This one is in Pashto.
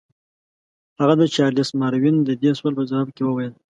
هغه د چارلس ماروین د دې سوال په ځواب کې وویل.